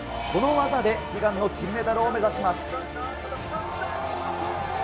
この技で悲願の金メダルを目指します。